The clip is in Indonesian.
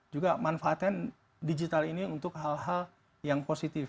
juga manfaatkan digital ini untuk hal hal yang positif